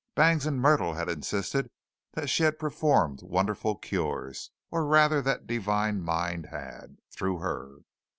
Bangs and Myrtle had insisted that she had performed wonderful cures or rather that Divine Mind had, through her.